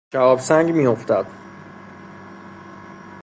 شهاب سنگ میافتد